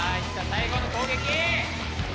最後の攻撃！